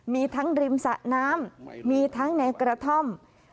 มีทั้งริมสะน้ำมีทั้งในกระท่อม